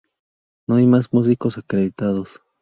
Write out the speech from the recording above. No hay mas músicos acreditados.